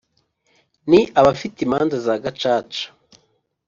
Ni abafite imanza za gacaca